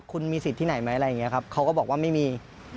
คุณมีสิทธิ์ที่ไหนไหมอะไรอย่างนี้ครับเขาก็บอกว่าไม่มี